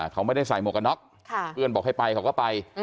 เขาไม่ได้ใส่หมวกกันน็อกเพื่อนบอกให้ไปเขาก็ไป